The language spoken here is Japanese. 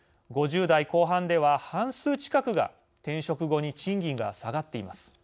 ５０代後半では半数近くが転職後に賃金が下がっています。